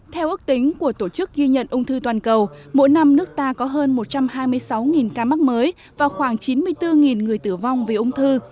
theo ước tính của tổ chức ghi nhận ung thư toàn cầu mỗi năm nước ta có hơn một trăm hai mươi sáu ca mắc mới và khoảng chín mươi bốn người tử vong vì ung thư